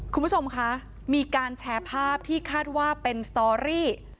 คุณผู้ชมคะมีการแชร์ภาพที่คาดว่าเป็นสตอรี่